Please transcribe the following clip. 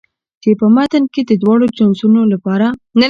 چې په متن کې د دواړو جنسونو لپاره